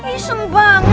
ustaz lu sana bencana